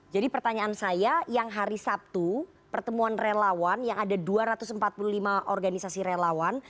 jadi pertanyaan saya yang hari sabtu pertemuan relawan yang ada dua ratus empat puluh lima organisasi relawan